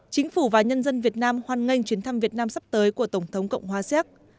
chính phủ và nhân dân việt nam hoan nghênh chuyến thăm việt nam sắp tới của tổng thống cộng hòa séc